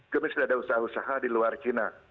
kami sudah ada usaha usaha di luar cina